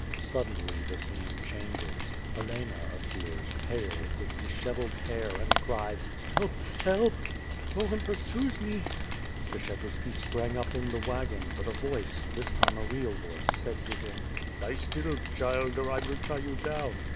Suddenly the scene changes. Helena appears, pale, with dishevelled hair and cries "Help! Help! Bohun pursues me!" Skshetuski sprang up in the wagon, but a voice, this time a real voice, said to him: "Lie still, child, or I will tie you down."